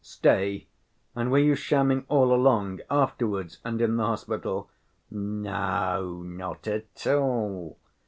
"Stay! And were you shamming all along, afterwards, and in the hospital?" "No, not at all.